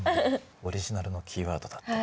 オリジナルのキーワードだって。